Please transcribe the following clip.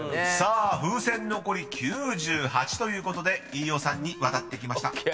［さあ風船残り９８ということで飯尾さんに渡ってきました］ＯＫ。